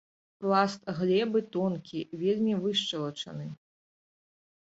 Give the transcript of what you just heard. Пласт глебы тонкі, вельмі вышчалачаны.